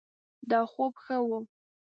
دا خوب ښه ؤ